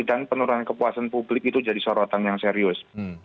dan penurunan kepuasan publik itu jadi sorotan yang serius